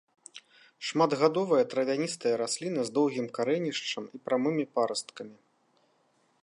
Шматгадовая травяністая расліна з доўгім карэнішчам і прамымі парасткамі.